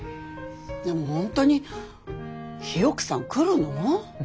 でも本当に日置さん来るの？